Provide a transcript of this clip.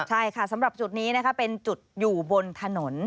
ใช่ค่ะสำหรับจุดนี้นะคะเป็นจุดอยู่บนถนน